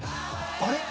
あれ？